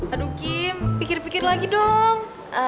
aduh kim pikir pikir lagi dong